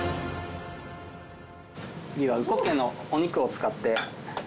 次はうこっけいのお肉を使って。